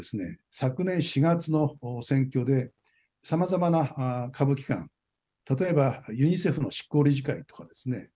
昨年４月の選挙でさまざまな下部機関例えばユニセフの執行理事会とかですね